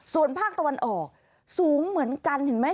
ส่วนภาคตะวันออกสูงเหมือนกันเห็นไหม